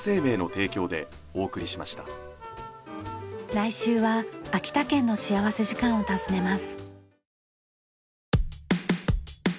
来週は秋田県の幸福時間を訪ねます。